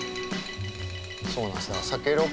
そうなんです。